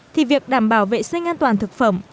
thì việc đảm bảo vệ sinh an toàn thực phẩm